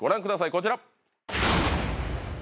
こちら！